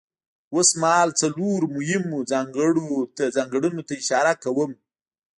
اوسمهال څلورو مهمو ځانګړنو ته اشاره کوم.